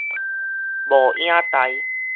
無影代